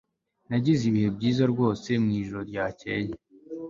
Nagize ibihe byiza rwose mwijoro ryakeye